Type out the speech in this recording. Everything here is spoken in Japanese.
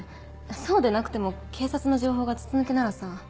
そうでなくても警察の情報が筒抜けならさ。